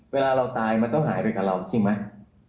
เวลาเราตายมันต้องหายไปกับเราใช่ไหม